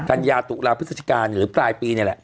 กัญญาตุลาพฤศจิกาหรือปลายปีนี่แหละ